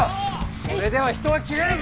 それでは人は斬れぬぞ！